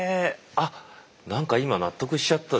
あっなんか今納得しちゃった。